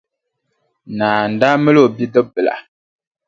Naa n-daa mali o bidibbila.